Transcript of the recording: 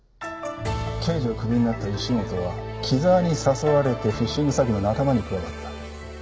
刑事をクビになった石本は木沢に誘われてフィッシング詐欺の仲間に加わった。